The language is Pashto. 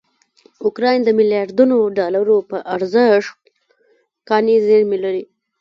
اوکراین دمیلیاردونوډالروپه ارزښت کاني زېرمې لري.